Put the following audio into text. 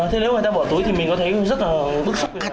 thế nếu người ta bỏ túi thì mình có thấy rất là bức xúc